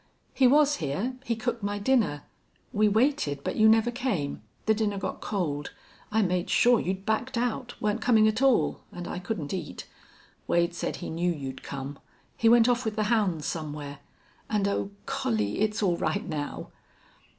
"He was here. He cooked my dinner. We waited, but you never came. The dinner got cold. I made sure you'd backed out weren't coming at all and I couldn't eat.... Wade said he knew you'd come. He went off with the hounds, somewhere ... and oh, Collie, it's all right now!"